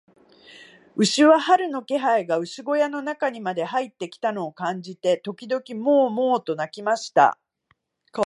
牛は、春の気配が牛小屋の中にまで入ってきたのを感じて、時々モウ、モウと鳴きました。